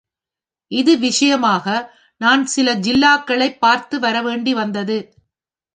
இது விஷயமாக நான் சில ஜில்லாக்களைப் பார்த்து வர வேண்டி வந்தது.